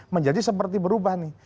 menjadi seperti berubah nih